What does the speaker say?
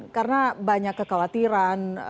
karena banyak kekhawatiran